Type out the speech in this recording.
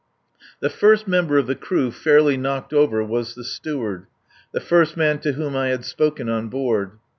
The first member of the crew fairly knocked over was the steward the first man to whom I had spoken on board.